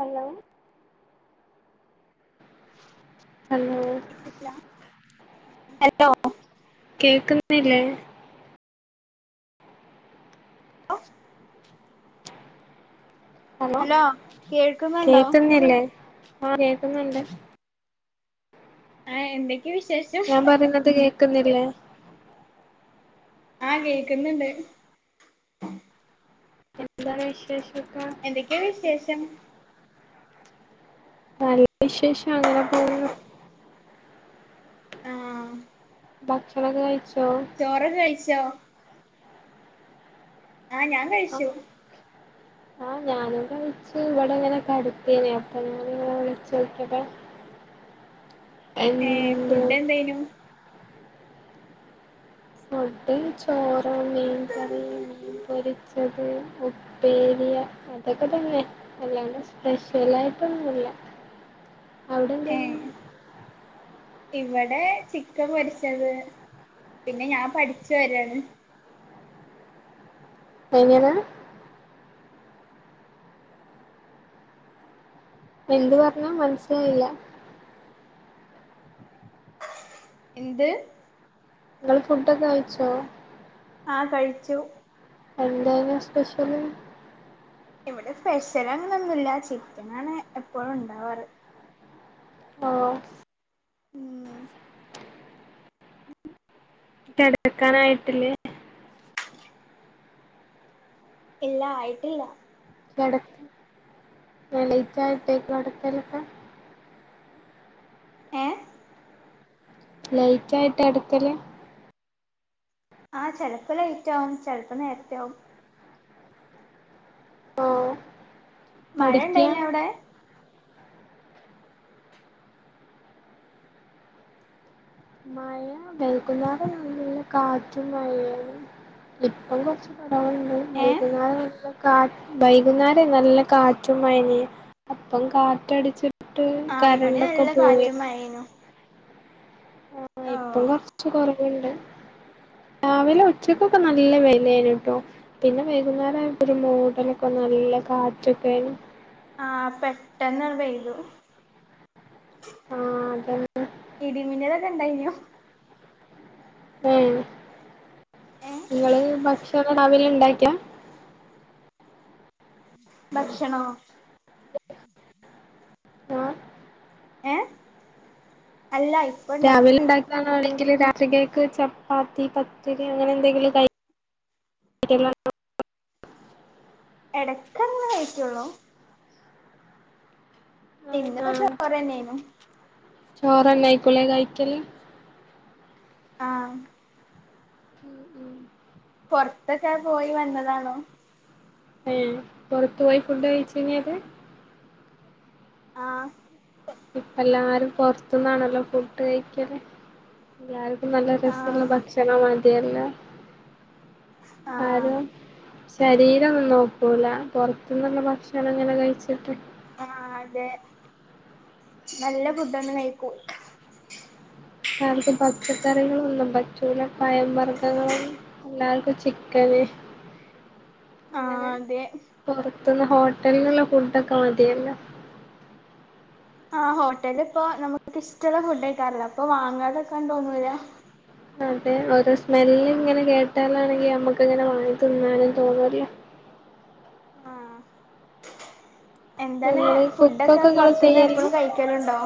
Hello hello hello കേൾക്കുന്നില്ലേ [inaudible] hello കേൾക്കുന്നുണ്ടോ കേക്കുന്നില്ലേ ആ കേക്കുന്നുണ്ട് ആഹ് ഇണ്ട് ഞാൻ പറയുന്നത് കേക്കുന്നില്ലേ ആഹ് കേക്കുന്നുണ്ട് എന്താണ് വിശേ ഷൊക്കെ എന്തൊക്കെ വിശേഷം നല്ല വിശേഷം അങ്ങനെ പോകുന്നു ആഹ് ഭക്ഷണൊക്കെ കഴിച്ചോ ചോറൊക്കെ കഴിച്ചോ ആഹ് ഞാൻ കഴിച്ചു [inaudible] ആഹ് ഞാനും കഴ്ച്ചു ഇവിടെ ഇങ്ങനെ കടക്കേനി അപ്പൊ ഞാനിങ്ങനെ വിളിച്ചോകിയതാ [inaudible] ഏഹ് ഫുഡ് എന്തെയ്നു ഫുഡ് ചോറ് മീൻകറി മീൻ പൊരിച്ചത് ഉ പ്പേരി അതൊക്കെ തന്നെ അല്ലാണ്ട് സ്പെഷ്യൽ ആയിട്ടൊന്നുല്ല അവിടെ എന്തെയ്നു ഏഹ് ഇവിടെ ചിക്കൻ പൊരിച്ചത് പിന്നെ ഞാൻ പഠിച്ചു വരാണ് എങ്ങനെ എന്ത് പറഞ്ഞാ മനസ്സിലായില്ല എന്ത് ഇങ്ങള് ഫുഡ്‌ ഒക്കെ കയ്ച്ചോ ആഹ് കഴിച്ചു എന്തായ്ന്നു സ്പെഷ്യൽ ഇവിടെ സ്പെഷ്യൽ അങ്ങനൊന്നുമില്ല ചിക്കനാണ് എപ്പോഴും ഉണ്ടാവാറ് ഓഹ് ഉം കിടക്കാനായിട്ടില്ലേ ഇല്ല ആയിട്ടില്ല കിടക്കൽ ലേറ്റ് ആയിട്ടെ കിടക്കൽ ഒക്കെ ഏഹ് ലൈറ്റ് ആയിട്ട് കിടക്കല് ആഹ് ചെലപ്പോ ലൈറ്റ് ആവും ചെലപ്പോ നേരത്തെ ആവും ആഹ് മഴ ഉണ്ടായിനൊ അവിടെ മഴ വൈകുന്നേരം നല്ല കാറ്റും മഴയെയ്നി ഇപ്പം കുറച്ച് കുറെവുണ്ട് ഏ വൈകുന്നേരം ആവുമ്പോ കാ വൈകുന്നേരം നല്ല കാറ്റും മഴഎയ്നി അപ്പം കാറ്റടിച്ചി ട്ട് ആഹ് ഇവിടെ കറണ്ടൊക്കെ നല്ല കാറ്റും പോയിണ് മഴേനു ആഹ് ഇപ്പം കൊറച്ച് കുറവുണ്ട് രാവിലെ ഉച്ചക്കൊക്കെ നല്ല വെയിൽ എയ്നിട്ടോ പിന്നെ വൈകുന്നേരം ആയപ്പോ ഒരു മൂടലൊക്കെ നല്ല കാറ്റൊക്കെ ആയ്നു ആഹ് പെട്ടന്ന് പെയ്തു ആഹ് അതെന്നെ ഇടിമിന്നലൊക്കെ ഇണ്ടായ്നൊ ഉം ഏ ഇങ്ങള് ഭക്ഷണം രാവിലെ ഇണ്ടാക്കിയാ ഭക്ഷണോ ആഹ് ഏഹ് അല്ല ഇണ്ടാക്കി രാവിലെ ഉണ്ടാക്കിയതാണോ അല്ലെങ്കിൽ രാത്രികക്ക് ചപ്പാത്തി പത്തിരി അങ്ങനെ എന്തെങ്കിലും കൈ ബാക്കി എല്ലാവർക്കും എടക്കെന്ന് കഴിക്കെള്ളൂ ആഹ് ഇന്നിപ്പോ ആഹ് ചോറന്നേനു ചോറ്ന്നെ ആയിക്കുലേ കഴിക്കല് ആഹ് ഉം ഉം പുറെത്തൊക്കെ പോയി വന്നതാണോ ഏഹ് പുറത്തു പോയി ഫുഡ് കഴിച്ചിനെത് ആഹ് ഇപ്പം എല്ലാരും പുറത്തന്നാണല്ലോ ഫുഡ് കഴിക്കല് എല്ലാരും നല്ല രസള്ള ആഹ് ഭക്ഷണം മതിെയല്ലേ ആഹ് ആരും ശരീരം ഒന്നും നോക്കുല പുറത്തുന്നുള്ള ഭക്ഷണം അങ്ങനെ കഴിച്ചിട്ട് ആഹ് അതെ നല്ല ഫുഡ് ഒന്ന് കഴിക്കൂ അവർക്ക് പച്ചക്കറികള് ഒന്നും പറ്റൂല പയം വർഗങ്ങളും എല്ലാർക്കും ചിക്കന് ആഹ് അങ്ങനെ അതെ പുറത്തുന്ന് ഹോട്ടലിന് ഉള്ള ഫുഡ് ഒക്കെ മതിയല്ലോ ആഹ് ഹോട്ടല് ഇപ്പോ നമ്മുക്ക് ഇഷ്ടമുള്ള ഫുഡ് കയിക്കാറില്ലോ അപ്പൊ വാങ്ങാതെക്കാൻ തോന്നൂലാ അതെ ഓരോ സ്മല്ല് ഇങ്ങനെ കേട്ടാലാണെങ്കി ഞമ്മക്ക് ഇങ്ങനെ വാങ്ങി തിന്നാലും തോന്നൂല്ലെ ആഹ് എന്താണ് നിങ്ങള് ഫുഡൊക്കെ കുക്കൊക്കെ ഇങ്ങള് പൊറത്തുന്ന് ചെയ്യലാ എപ്പോഴും കഴിക്കലുണ്ടോ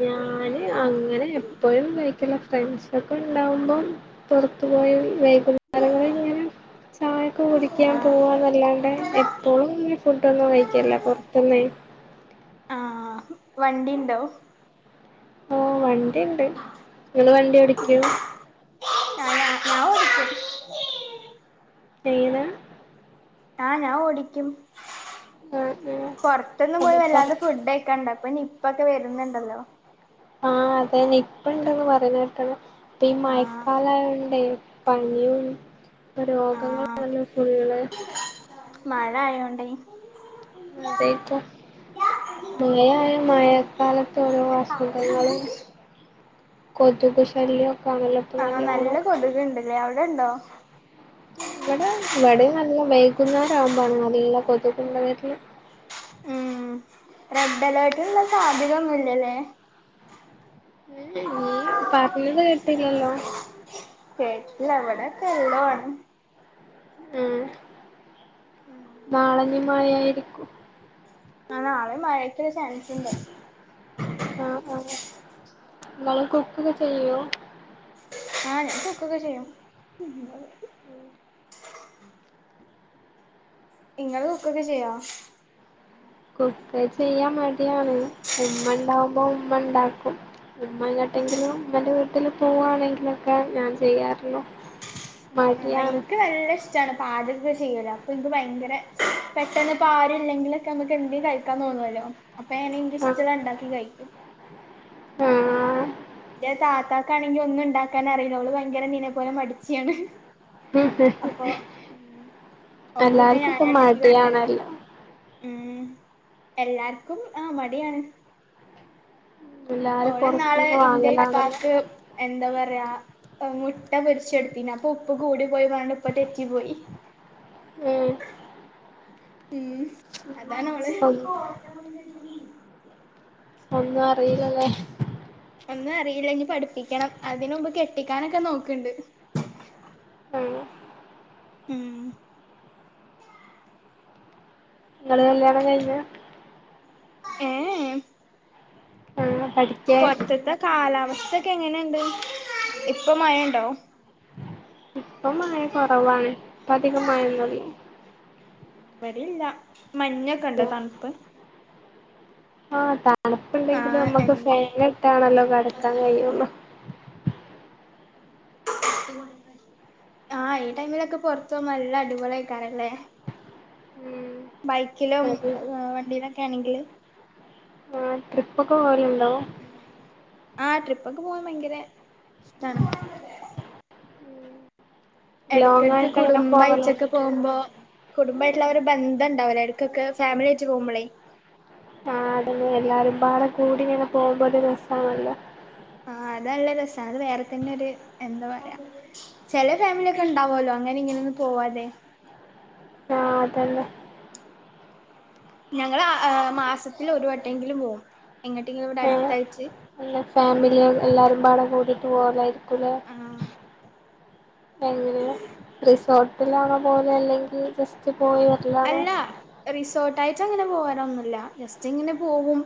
ഞാന് അങ്ങനെ എപ്പോഴും കഴിക്കല് ഫ്രണ്ട്സ്‌ ഒക്കെ ഉണ്ടാവുമ്പോം പൊറത്തു പോയി വൈകുന്നേരങ്ങിൽ ഇങ്ങനെ ചായക്ക് കുടിക്കാൻ ആഹ് പോകുക അല്ലാണ്ടെ എപ്പോഴും ഇങ്ങെ ഫുഡൊന്നും കഴിക്കില്ല പുറത്തുന്നെ ആ വണ്ടി ഉണ്ടോ ഓ വണ്ടിയിണ്ട് നിങ്ങള് വണ്ടി ഓടിക്കുവോ ആ ഞാൻ ഓടിക്കും ഏത് [unintelligible] ഞാൻ ആ ഓടിക്കും ആഹ് ആഹ് പൊറത്തൊന്നും പോയി അപ്പൊ പൊറ വല്ലാതെ ഫുഡ് കഴിക്കണ്ട അപ്പൊ ഇപ്പ നിപ്പ വരുന്നുണ്ടല്ലോ ആഹാ അത് തന്നെ ഇപ്പ ഇണ്ടന്ന് പറയുന്ന കേട്ടാല്ലോ അപ്പൊ ഈ ആഹ് മയക്കാലയോണ്ടേ പനിയും ഇപ്പൊ രോഗങ്ങളും ആഹ് ആണല്ലോ ഫുള്ള്- മഴ ആയോണ്ടേ അതായിക്കാം മഴയായ മഴക്കാലത്ത് ഓരോ അസുഖങ്ങളും- കൊതുക് ശല്യയൊക്കെ ആണല്ലോ ഇപ്പൊ നല്ലപോലെ കൊതുക് ഇണ്ട് അല്ലെ അവിടെ ഉണ്ടോ ഇവിടെ ഇവിടെയും നല്ല വൈകുന്നേരം ആവുമ്പഴാണ് നല്ല കൊതുകും വരുന്നത് ഉം റെഡ് അലേർട്ടുള്ള സാധ്യത ഒന്നും ഇല്ല അല്ലേ നീ പറഞ്ഞത് കെട്ടില്ലല്ലോ കേട്ടില്ല ഇവിടെക്കെ വെള്ളം ആണ് ആ നാളെ ഇഞ്ഞി മഴയായിരിക്കും ആ നാളെ മഴക്ക്‌ ഒരു ചാൻസ് ഒണ്ട് ആഹ് ആഹ് നിങ്ങള് കുക്കൊക്കെ ചെയ്യോ ആഹ് ഞാൻ കുക്ക് ഒക്കെ ചെയ്യും നിങ്ങള് കുക്ക് ഒക്കെ ചെയ്യുവോ കുക്ക് ചെയ്യാൻ മടിയാണ് ഉമ്മ ഉണ്ടാവുമ്പോ ഉമ്മ ഉണ്ടാക്കും ഉമ്മ എങ്ങോട്ടെങ്കിലും ഉമ്മന്റെ വീട്ടില് പോവാണെങ്കിലൊക്കെ ഞാൻ ചെയ്യാറുള്ളൂ ആ എനിക്ക് നല്ല ഇഷ്ട്ടവാണ് ച്ചാണ് പാചകം ചെയ്യുലെ അപ്പൊ ഇനിക്ക് ഭയങ്കര പെട്ടെന്ന് ഇപ്പോ ആരും ഇല്ലെങ്കിലൊക്കെ നമുക്ക് എന്തെ കഴി - നിക്കാൻ തോന്നുവല്ലോ അപ്പൊ എനിക്ക് ആഹ് ഇഷ്ട്ടം ഉള്ളത് ഉണ്ടാക്കി കഴിക്കും ആഹാ എന്റെ താത്താക്കാണെങ്കി ഒന്നും ഉണ്ടാക്കാൻ അറിയില്ല അവള് ഭയങ്കര നിന്നെ പോലെ മടിച്ചിയാണ് അപ്പൊ ഉം ഓൾക്കൊക്കെ എല്ലാരിക്കും ഞാനാ ഇപ്പം ഇണ്ടാക്കി കൊടുക്കല് മടിയണല്ലോ ഉം എല്ലാർക്കും ആഹ് മടിയാണ് എല്ലാരും ഓള് ഇന്നാള് പൊറത്തുന്ന് ഇൻ്റെ വാങ്ങലാണല്ലോ ഇത്താക്ക് - എന്താ പറയാ മുട്ട പൊരിച്ചെടുത്തിനപ്പൊ ഉപ്പ് കൂടി പോയി പറഞ്ഞണ്ട് ഉപ്പ തെറ്റി പോയി ഉം ഉം അതാണ് അവള് ഒ - ഒന്നും അറിയിലല്ലേ ഒന്നും അറിയില്ലങ്കി പഠിപ്പിക്കണം അതിനുമുമ്പ് കെട്ടിക്കാനൊക്കെ നോക്കണ്ട് ആഹ് ഉം നിങ്ങള് കല്ലിയാണം കയിഞ്ഞതാ ഏഹെ ആഹ് പഠി പൊറത്ത്ത്തെ കാലാവസ്ഥക്കെ എങ്ങനെണ്ട് ഇപ്പൊ മയണ്ടോ ഇപ്പൊ മയ കൊറവാണ് ഇപ്പ അധികം മഴൊന്നുല്ല ഇബടില്ല മഞ്ഞൊക്കെണ്ടോ തണുപ്പ് ആഹ് തണുപ്പുണ്ടെങ്കിലും ആഹ് നമ്മക്ക് എന്തോ ഫേനിട്ടാണല്ലോ കെടക്കാൻ കയ്യുള്ളൂ അഹ് ഈ ടൈമിലൊക്കെ പൊറത്തു പോമ്പോ നല്ല അടിപൊളി ആയ്ക്കാരല്ലേ ഉം ബൈക്കിലും അതെ വണ്ടിയിലൊക്കെ ആണെങ്കില് ആഹ് ട്രിപ്പൊക്കെ പോവലുണ്ടോ ആഹ് ട്രിപ്പൊക്കെ പോവാൻ ഭയങ്കര ഇഷ്ടാണ് ലോങ് എടയ്ക്കടക്ക് ആയിട്ട് അങ്ങനെ പോവല് കുടുംബായ്ട്ടൊക്കെ പോവുമ്പോ കുടുംബമായിട്ടുള്ള ആ ഒരു ബന്ധണ്ടാവൂലേ എടക്കൊക്കെ ഫാമിലി ആയിട്ട് പോവുമ്പളേ ആടീ എല്ലാരും പാടെ കൂടിങ്ങനെ പോവുമ്പോ ഒരു രസാണല്ലോ ആഹ് അത് നല്ല രസാ അത് വേറെതന്നൊരു എന്താ പറയാ ചെല ഫാമിലി യൊക്കെ ഉണ്ടാവല്ലോ അങ്ങനീം ഇങ്ങനീം ഒന്നും പോവാതെ ആഹ് തന്നെ ഞങ്ങള് ഏഹ് മാസത്തിലൊരു വട്ടങ്കിലും പോവും എങ്ങട്ടെങ്കിലും ഇവിടെ അടുത്തായിട്ട് എല്ലാ ഫാമിലി എല്ലാരുംപാടെ കൂടിട്ട് പോവലായിരിക്കൂലേ ആഹ് എങ്ങനെയാ റിസോർട്ടിലാണോ പോവല് അല്ലെങ്കി ജസ്റ്റ് പോയി വരലാണോ അല്ല റിസോർട്ടായിറ്റങ്ങനെ പോവലൊന്നുല്ല ജസ്റ്റ് ഇങ്ങനെ പോവും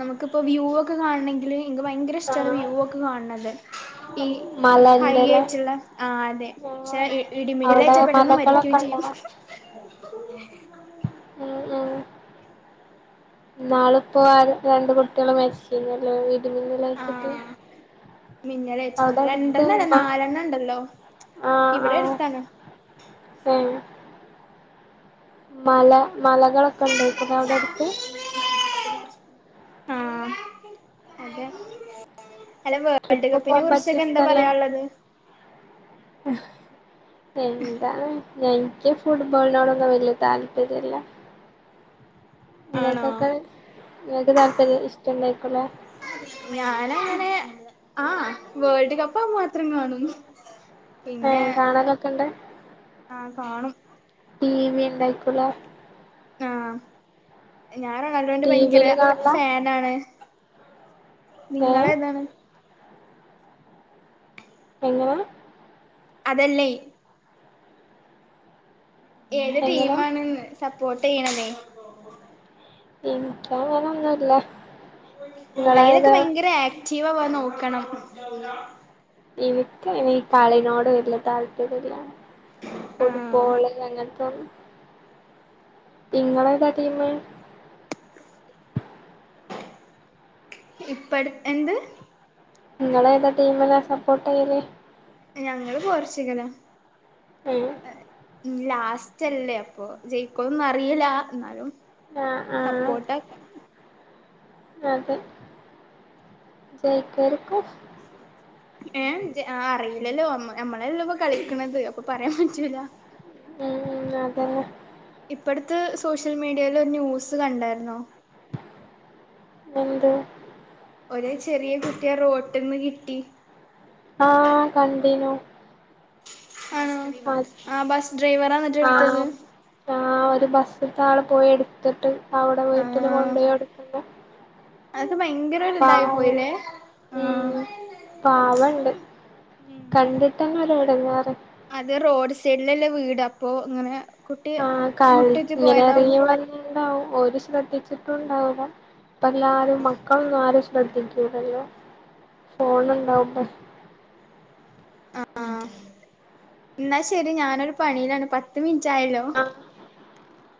നമുക്കിപ്പ വ്യൂ ഒക്കെ കാണണെങ്കില് എനിക്ക് ഭയങ്കര ഇഷ്ടാണ് ആഹ് വ്യൂ ഒക്കെ കാണ് ണത് ഈ ഹൈ മലന്റെല്ലേ ആയിറ്റ്ള്ള ആഹ് അതെ പക്ഷേ ആഹ് അവിടെ ഇടിമിന്നലേറ്റാ പെട്ടന്ന് മരിക്കും മലകളൊക്കെ ഉണ്ടോ ചെയ്യും ഉം ഉം ഇന്നാള്പ്പോ രണ്ടുകുട്ടി കടള് മരിച്ചിലല്ലേ ഇടി മിന്നലേറ്റിട്ട് മിന്നലേറ്റിറ്റ് രണ്ടെണ്ണല്ല മ നാലെണ്ണം ഇണ്ടല്ലോ ഇവടെ അടുത്താണ് ഉം മല മലകളൊക്കെ ഉണ്ടേക്കുല്ലേ അവടെ അടുത്ത് ആഹ് അതെ അല്ല വേൾഡ് ട്രിപ്പ് കപ്പിനെ പോകാൻ പറ്റിയ കുറിച്ചൊക്കെ എന്താ സ്ഥലാണ് പറയാള്ളത് എന്താണ് എനിക്ക് ഫുട്ബോളിനോടൊന്നും വല്യ താല്പര്യല്ല ആണോ നിങ്ങക്കൊക്കെ നിങ്ങക്ക് താല്പര്യ ഇഷ്ടണ്ടായിരിക്കുല്ലേ ഞാനങ്ങനെ ആഹ് വേൾഡ് കപ്പാ മാത്രം കാണും പിന്നെ ഏഹ് കാണലൊക്കെണ്ട് ആഹ് കാണും ടി വി ഇണ്ടായിക്കുലേ ആഹ് ഞാൻ റൊണാൾഡോൻ്റെ ടി ഭയങ്കര വിയില് കാണലാ ഫാനാണ് ഏ നിങ്ങളേതാണ് എങ്ങനെ അതല്ലയ് ഏത് എങ്ങനെ ടീം ആണ് ന്ന് സപ്പോർട്ട് ചെയ്യണതെയ് എനിക്ക് അങ്ങനെ ഒന്നുല്ല അയിനൊക്കെ ഭയങ്കര ആക്റ്റീവാവാൻ നോക്കണം എനിക്ക് ഇനി കളിനോട് വല്ല്യ താല്പര്യല്ല ആഹ് ഫുട്ബോള് അങ്ങൻത്തെ ഇങ്ങളെ ഏതാ ടീമ്? ഇപ്പ അട് എന്ത് ഇങ്ങളേതാ ടീമിലാ സപ്പോർട്ട് ചെയ്യല് ഞങ്ങള് പോർച്ചുഗലാ ഏ ഏഹ് ലാസ്റ്റ് അല്ലേ അപ്പൊ ജയിക്കോന്നും അറിയില്ല എന്നാലും ആ ആ സപ്പോർട്ടാക്ക അതെ ജയിക്കായിരിക്കും ഏഹ് ജെ അറിയില്ലല്ലോ നമ്മളെല്ലല്ലോ ഇപ്പൊ കളിക്ക്ണത് അപ്പൊ പറയാൻ പറ്റൂല്ലാ ഉം അതെന്നെ ഇപ്പട്ത്ത് സോഷ്യൽ മീഡിയ ൽ ഒരു ന്യൂസ് കണ്ടായിരുന്നോ എന്ത് ഒരേ ചെറിയ കുട്ടിയേ റോട്ട്ന്ന് കിട്ടി ആഹ് കണ്ടീനു ആണോ ആഹ് ബസ് ഡ്രൈവറാ എന്നിട്ട് ആഹ് ഇട്ത്തത് ആഹ് ഒരു ബസ്സ്ത്തെ ആള് പോയി എടുത്തിട്ട് അവിടെ വീട്ടില് കൊണ്ടുപോയി കൊടുക്കുന്നേ അത് ഭയങ്കര ഒരു ഇതായി പോയില്ലേ പാവണ്ട് ആ ഉം പാവണ്ട് ഉം കണ്ടിട്ടന്നെ ഒരു എടങ്ങേറ് അത് റോഡ് സൈഡിലല്ലേ വീട് അപ്പൊ ഇങ്ങനെ കുട്ടി ആഹ് കളി മുട്ടിറ്റ് ഇങ്ങനെ പോയതാവും എറങ്ങിവന്നതാ ഇണ്ടാവും ഓര് ശ്രദ്ധിച്ചിട്ടും ഉണ്ടാവൂല്ല ഇപ്പ എല്ലാരും മക്ക [unintelligible] ആരും ശ്രദ്ധിക്കൂലല്ലോ ഫോണുണ്ടാവുമ്പൊ ആഹ് എന്നാ ശരി ഞാനൊരു പണിയിലാണ് പത്ത് മിനിറ്റ് ആയല്ലോ ആഹ്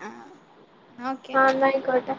ആഹ് ന്നാ ഓകെ ആഹ് എന്നാ ആയിക്കോട്ടെ